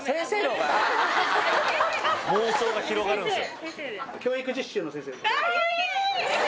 妄想が広がるんですよ。